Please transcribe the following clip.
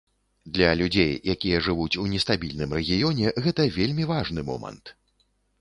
Для людзей, якія жывуць у нестабільным рэгіёне, гэта вельмі важны момант.